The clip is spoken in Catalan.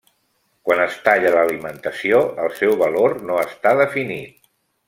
Quan es talla l'alimentació, el seu valor no està definit.